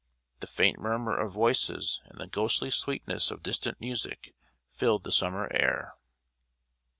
The faint murmur of voices, and the ghostly sweetness of distant music, filled the summer air.